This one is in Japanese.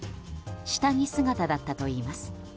下着姿だったといいます。